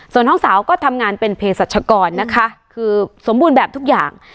ส่วนน้องสาวก็ทำงานเป็นเพศรัชกรนะคะคือสมบูรณ์แบบทุกอย่าง